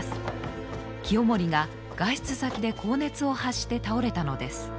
清盛が外出先で高熱を発して倒れたのです。